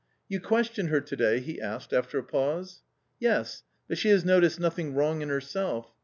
"You questioned her to day?" he asked, after a pause. "Yes; but s he has noticed nothing wrong i n herself.